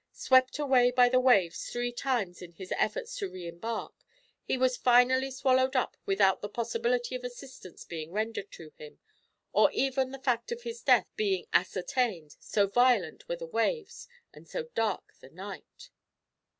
Swept away by the waves three times in his efforts to re embark, he was finally swallowed up without the possibility of assistance being rendered to him, or even the fact of his death being ascertained so violent were the waves, and so dark the night!"